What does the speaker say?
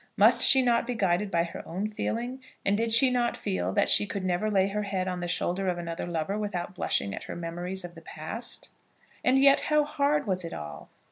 Must she not be guided by her own feelings, and did she not feel that she could never lay her head on the shoulder of another lover without blushing at her memories of the past? And yet how hard was it all!